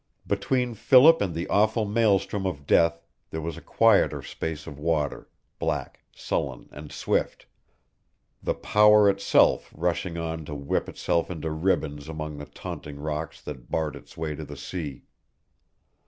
Between Philip and the awful maelstrom of death there was a quieter space of water, black, sullen, and swift the power itself, rushing on to whip itself into ribbons among the taunting rocks that barred its way to the sea.